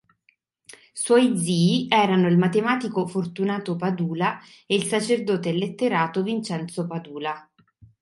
Suoi zii erano il matematico Fortunato Padula e il sacerdote e letterato Vincenzo Padula.